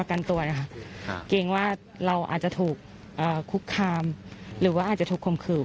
กันตัวนะคะเกรงว่าเราอาจจะถูกคุกคามหรือว่าอาจจะถูกคมขืน